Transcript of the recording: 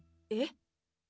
えっ！？